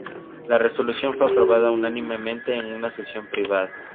La resolución fue aprobada unánimemente en una sesión privada.